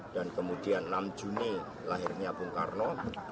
dan kemudian enam juni lahirnya bung karno